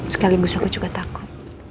sekaligus aku juga takut